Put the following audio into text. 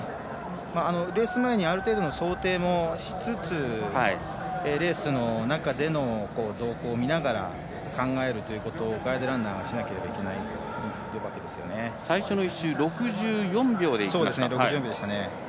レース前にある程度の想定もしつつレースの中での動向を見ながら考えるということをガイドランナーはしなければいけないってわけ最初の１周は６４秒でいきました。